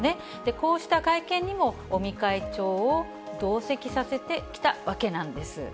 こうした会見にも、尾身会長を同席させてきたわけなんです。